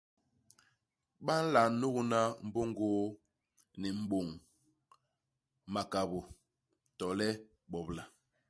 Ba nla nugna mbôngôô ni mbôñ, makabô, to le bobla.